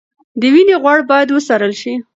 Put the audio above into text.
د وینې غوړ باید وڅارل شي.